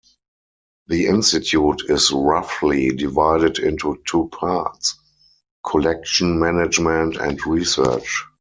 The institute is roughly divided into two parts: Collection Management and Research.